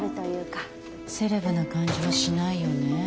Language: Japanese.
セレブな感じはしないよね。